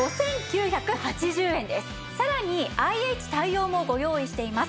さらにＩＨ対応もご用意しています。